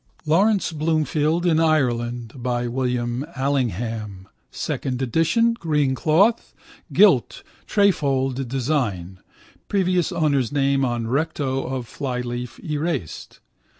Laurence Bloomfield in Ireland by William Allingham (second edition, green cloth, gilt trefoil design, previous owner's name on recto of flyleaf erased).